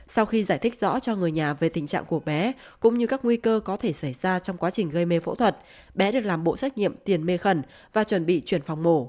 sau khi giải thích rõ cho người nhà về tình trạng của bé cũng như các nguy cơ có thể xảy ra trong quá trình gây mê phẫu thuật bé được làm bộ trách nhiệm tiền mê khẩn và chuẩn bị chuyển phòng mổ